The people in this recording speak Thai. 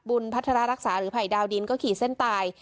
พัฒระรักษาหรือภัยดาวดินก็ขี่เส้นตาย